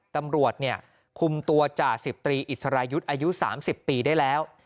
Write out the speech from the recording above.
ตำรวจคุมตัวจ่าสิบตรีอิสรายุทธ์อายุ๓๐ปีได้แล้ว